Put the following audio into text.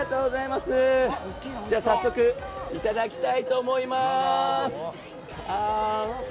早速、いただきたいと思います。